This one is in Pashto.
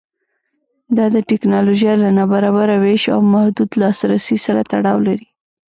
دا د ټکنالوژۍ له نابرابره وېش او محدود لاسرسي سره تړاو لري.